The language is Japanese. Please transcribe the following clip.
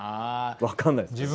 分かんないですけど。